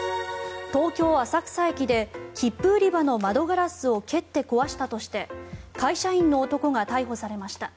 東京・浅草駅で、切符売り場の窓ガラスを蹴って壊したとして会社員の男が逮捕されました。